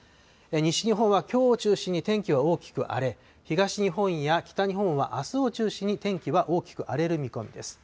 西日本はきょうを中心に天気は大きく荒れ、東日本や北日本はあすを中心に天気は大きく荒れる見込みです。